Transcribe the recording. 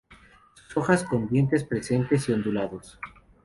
Sus hojas con dientes presentes y ondulados.